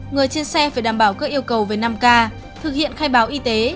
người trên xe phải đảm bảo các yêu cầu về năm k thực hiện khai báo y tế